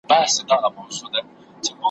هرشاعر په قصیدو کي وي ستایلی `